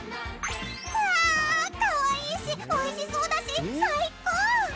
うわー、可愛いしおいしそうだし、最高！